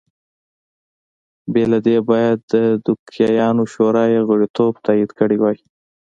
بې له دې باید د دوکیانو شورا یې غړیتوب تایید کړی وای